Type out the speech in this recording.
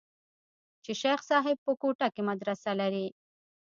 چې شيخ صاحب په کوټه کښې مدرسه لري.